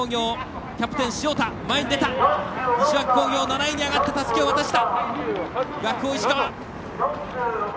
西脇工業、７位に上がってたすきを渡した。